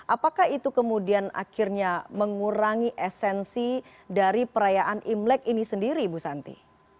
apakah itu kemudian akhirnya mengurangi esensi dari perayaan imlek ini sendiri ibu santi